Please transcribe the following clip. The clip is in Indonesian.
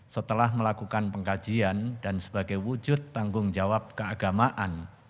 setelah melakukan pengkajian dan sebagai wujud tanggung jawab keagamaan